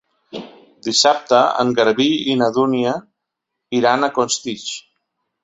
Dissabte en Garbí i na Dúnia iran a Costitx.